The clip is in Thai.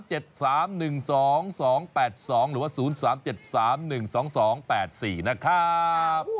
๐๓๗๓๑๒๒๘๒หรือว่า๐๓๗๓๑๒๒๘๔นะครับ